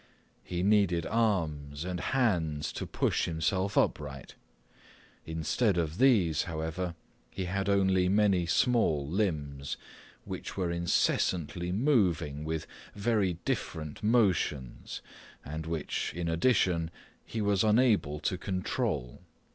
He needed arms and hands to push himself upright. Instead of these, however, he had only many small limbs which were incessantly moving with very different motions and which, in addition, he was unable to control.